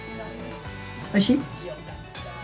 おいしい？